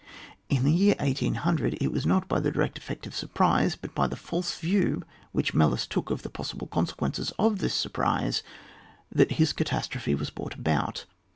In the year 1800 it was not by the direct effect of the surprise, but by the false view ffrhich Melas took of the pos sible consequences of this surprise, that his catastrophe was brought about.